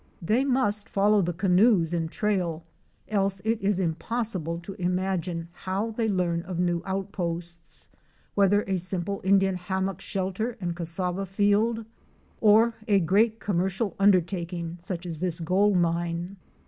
They must follow the canoes and trail, else it is impossible to imagine how they learn of new outposts —whether a simple Indian hammock shelter and cassava field, or a great com mercial undertaking such as this gold mine.